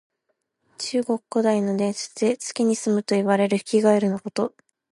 中国古代の伝説で、月にすむといわれるヒキガエルのこと。